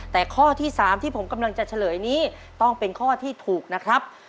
แต่ข้อที่๓ที่ผมกำลังจะเฉลยนี้ต้องเป็นข้อที่ถูกนะครับ